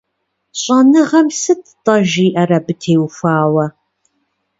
ЩӀэныгъэм сыт-тӀэ жиӀэр абы теухуауэ?